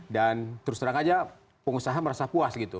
dan terus terang aja pengusaha merasa puas gitu